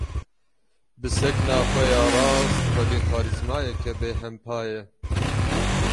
Bi sekna xwe ya rast, xwedî karîzmayeke bêhempa ye.